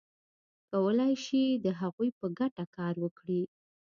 کولای شي د هغوی په ګټه کار وکړي.